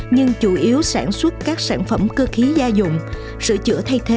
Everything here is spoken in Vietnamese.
nhưng chủ yếu sản xuất các sản xuất